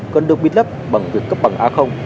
cần được biết lấp bằng việc cấp bằng a